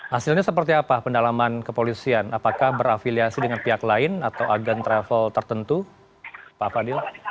hasilnya seperti apa pendalaman kepolisian apakah berafiliasi dengan pihak lain atau agen travel tertentu pak fadil